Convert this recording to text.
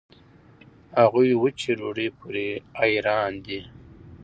هغوي وچې ډوډوۍ پورې حېران دي.